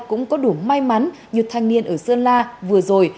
cũng có đủ may mắn như thanh niên ở sơn la vừa rồi